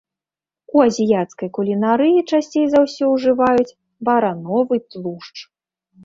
У азіяцкай кулінарыі часцей за ўсё ўжываюць барановы тлушч.